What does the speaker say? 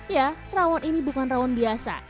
ya rawon ini bukan rawon biasa